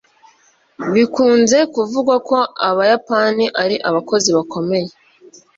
Bikunze kuvugwa ko abayapani ari abakozi bakomeye